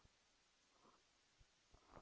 โปรดติดตามตอนต่อไป